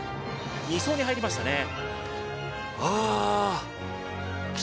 ２走に入りましたね。